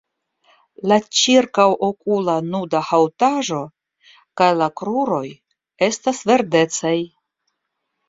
La ĉirkaŭokula nuda haŭtaĵo kaj la kruroj estas verdecaj.